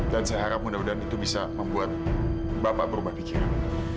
dan saya harap mudah mudahan itu bisa membuat bapak berubah pikiran